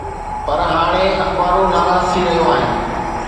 پر هاڻي اخبارون ناراض ٿي رهيون آهن.